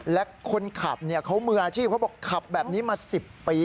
และคนขับเขามืออาชีพเขาบอกขับแบบนี้มา๑๐ปี